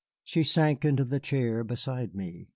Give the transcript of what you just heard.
She sank into the chair beside me.